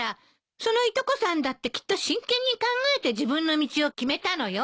そのいとこさんだってきっと真剣に考えて自分の道を決めたのよ。